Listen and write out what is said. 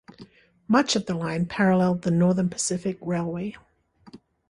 Much of the line paralleled the Northern Pacific Railway.